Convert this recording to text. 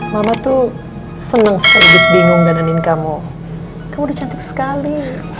mama tuh seneng sekali bingung dan anin kamu kamu cantik sekali